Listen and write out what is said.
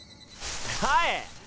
はい！